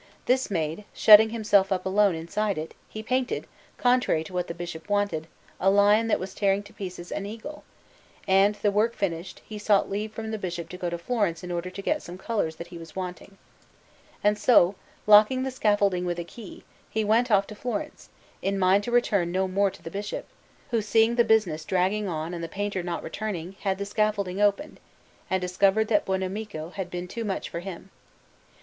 This made, shutting himself up alone inside it, he painted, contrary to what the Bishop wished, a lion that was tearing to pieces an eagle; and, the work finished, he sought leave from the Bishop to go to Florence in order to get some colours that he was wanting. And so, locking the scaffolding with a key, he went off to Florence, in mind to return no more to the Bishop, who, seeing the business dragging on and the painter not returning, had the scaffolding opened, and discovered that Buonamico had been too much for him.